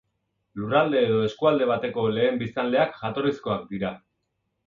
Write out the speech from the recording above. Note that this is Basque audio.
Lurralde edo eskualde bateko lehen biztanleak, jatorrizkoak dira.